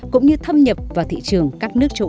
cũng như thâm nhập vào thị trường các nước châu âu